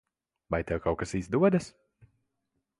Vai tev kaut kas izdodas?